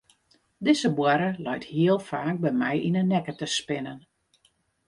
Dizze boarre leit hiel faak by my yn de nekke te spinnen.